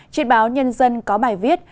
trên báo nhân dân có bài viết